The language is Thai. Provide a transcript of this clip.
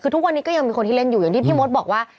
คือทุกวันนี้ก็ยังมีคนที่เล่นอยู่อย่างที่พี่มดบอกว่า